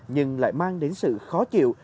nhưng lại mang đến sự khó chịu